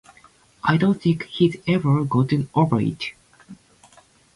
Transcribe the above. I don't think he's ever gotten over it.